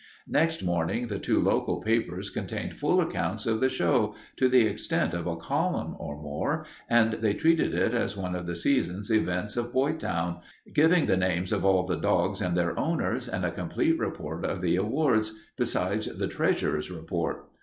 Next morning the two local papers contained full accounts of the show, to the extent of a column or more, and they treated it as one of the season's events of Boytown, giving the names of all the dogs and their owners and a complete report of the awards, besides the treasurer's report.